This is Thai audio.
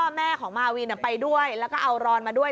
แม่ของมาวินไปด้วยแล้วก็เอารอนมาด้วย